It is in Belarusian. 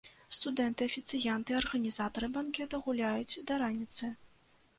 Студэнты, афіцыянты, арганізатары банкета гуляюць да раніцы.